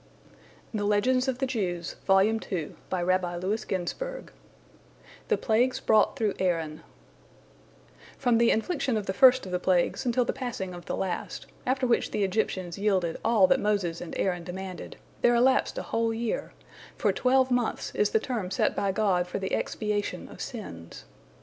" THE PLAGUES BROUGHT THROUGH AARON From the infliction of the first of the plagues until the passing of the last, after which the Egyptians yielded all that Moses and Aaron demanded, there elapsed a whole year, for twelve months is the term set by God for the expiation of sins.